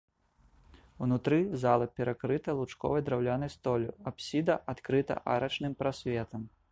Унутры зала перакрыта лучковай драўлянай столлю, апсіда адкрыта арачным прасветам.